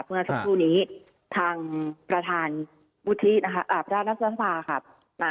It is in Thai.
เมื่อสักครู่นี้ทางประธานวุฒิอาบราชนักศึกษาภาค่ะ